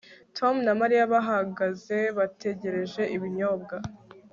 Tom na Mariya bahagaze bategereje ibinyobwa